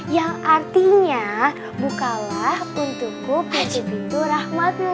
yang artinya bukalah untukku bintu bintu rahmatmu